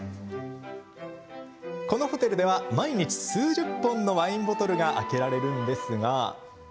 このホテルでは毎日数十本のワインボトルが空けられるんですが。